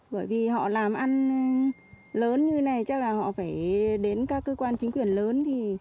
bởi vì họ làm ăn lớn như thế này chắc là họ phải đến các cơ quan chính quyền lớn